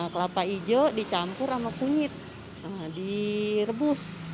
kelapa hijau dicampur sama kunyit direbus